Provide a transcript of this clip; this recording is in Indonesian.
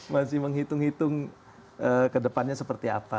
masih menghitung hitung kedepannya seperti apa